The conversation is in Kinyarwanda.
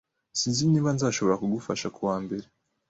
Sinzi niba nzashobora kugufasha kuwa mbere